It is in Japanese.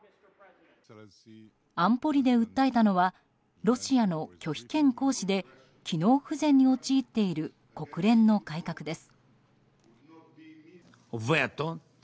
安保理で訴えたのはロシアの拒否権行使で機能不全に陥っている国連の改革です。